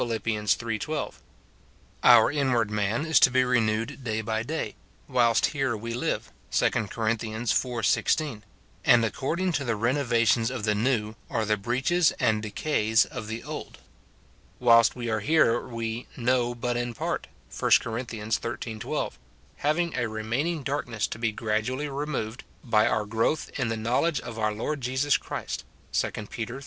iii. 12. Our inward man is to be renewed day by day" whilst here we live, 2 Cor. iv. 16 ; and according to the renovations of the new, are the breaches and decays of the old. Whilst we are here we "know but in part," 1 Cor. xiii. 12, having a remaining darkness to be gradually removed by our " growth in the knowledge of our Lord Jesus Christ," 2 Pet. iii.